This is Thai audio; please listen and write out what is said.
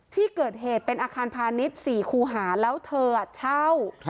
ที่เกิดเหตุเป็นอาคารพาณิชย์๔คูหาแล้วเธอเช่า